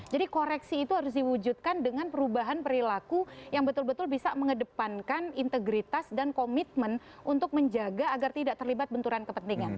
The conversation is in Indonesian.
jadi koreksi itu harus diwujudkan dengan perubahan perilaku yang betul betul bisa mengedepankan integritas dan komitmen untuk menjaga agar tidak terlibat benturan kepentingan